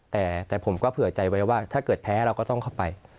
แต่ผมก็เผื่อใจไว้ว่าถ้าเกิดแพ้เราก็ต้องเข้าไป